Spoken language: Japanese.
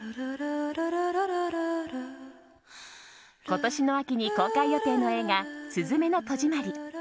今年の秋に公開予定の映画「すずめの戸締まり」。